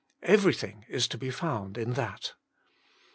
Everything is to be found in that.